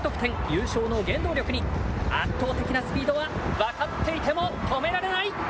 優勝の原動力に圧倒的なスピードは分かっていても止められない。